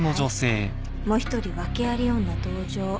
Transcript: もう一人訳あり女登場。